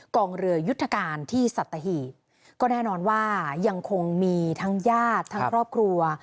กองเรือยุทธการที่สัตหีบก็แน่นอนว่ายังคงมีทั้งญาติทั้งครอบครัว